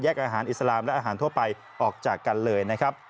แยกอาหารอิสลามและอาหารทั่วไปออกจากกันเลย